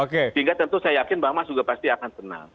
sehingga tentu saya yakin bang mas juga pasti akan tenang